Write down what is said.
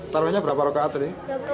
taruhnya berapa rokaat tadi